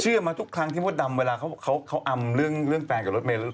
มาทุกครั้งที่มดดำเวลาเขาอำเรื่องแฟนกับรถเมย์